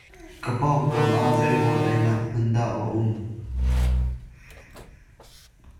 Ka pawngkam ah zei rawl einak hmun dah a um?